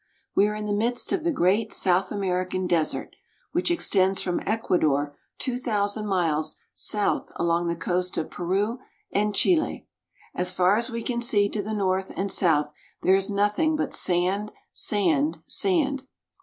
We are in the midst of the great South American desert, which extends from Ecuador two thou sand miles' south along the coast of Peru and Chile. As far as we can see to the north and south there is nothing but sand, sand, sand.